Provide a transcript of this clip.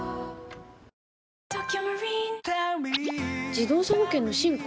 自動車保険の進化？